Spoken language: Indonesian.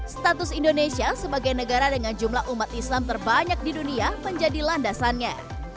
status indonesia sebagai negara dengan jumlah umat islam terbanyak di dunia menjadi landasannya